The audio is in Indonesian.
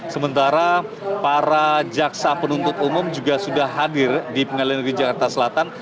sementara para jaksa penuntut umum juga sudah hadir di pengadilan negeri jakarta selatan